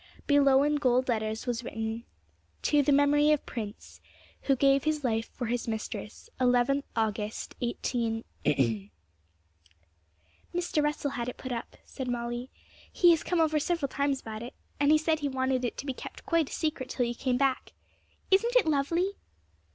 Below in gold letters was written: 'To THE MEMORY OF PRINCE, Who gave his life for his mistress, 11th August, 18 .' 'Mr. Russell had it put up,' said Molly; 'he has come over several times about it, and he said he wanted it to be kept quite a secret till you came back. Isn't it lovely?'